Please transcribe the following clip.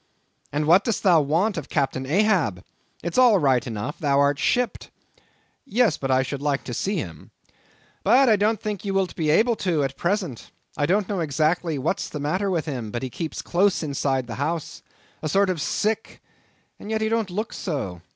"And what dost thou want of Captain Ahab? It's all right enough; thou art shipped." "Yes, but I should like to see him." "But I don't think thou wilt be able to at present. I don't know exactly what's the matter with him; but he keeps close inside the house; a sort of sick, and yet he don't look so.